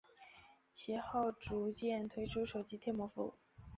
其后逐渐推出手机贴膜服务。